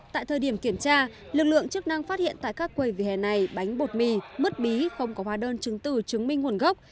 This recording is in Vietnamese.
tại thời điểm kiểm tra lực lượng chức năng phát hiện tại các quầy vỉa hè này bánh bột mì mứt bí không có hóa đơn chứng tử chứng minh nguồn gốc